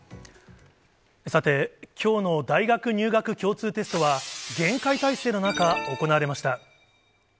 さて、きょうの大学入学共通テストは厳戒態勢の中、行われました。